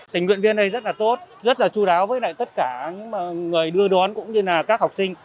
tình nguyện viên này rất là tốt rất là chú đáo với tất cả những người đưa đón cũng như là các học sinh